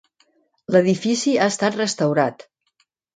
L'edifici ha estat restaurat.